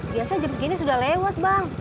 biasa jam segini sudah lewat bang